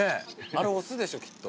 あれ雄でしょきっと。